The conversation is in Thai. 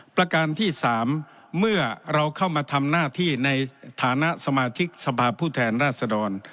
ประการที่๓เมื่อเราเข้ามาทำหน้าที่ในฐานะสมาชิกสภาพผู้แทนราชดร